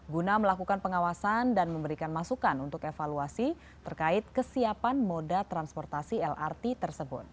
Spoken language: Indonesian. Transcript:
guna melakukan pengawasan dan memberikan masukan untuk evaluasi terkait kesiapan moda transportasi lrt tersebut